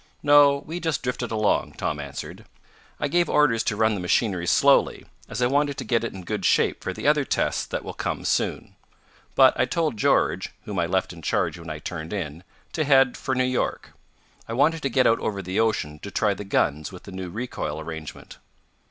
"No, we just drifted along," Tom answered. "I gave orders to run the machinery slowly, as I wanted to get it in good shape for the other tests that will come soon. But I told George, whom I left in charge when I turned in, to head for New York. I wanted to get out over the ocean to try the guns with the new recoil arrangement."